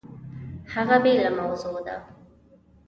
هغه بېله موضوع ده!